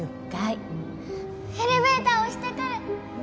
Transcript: エレベーター押してくる！